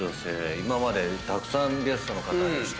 今までたくさんゲストの方がしてきていただ。